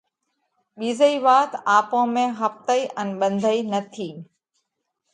ٻِيزئِي وات آپون ۾ ۿپتئِي ان ٻنڌئِي نٿِي،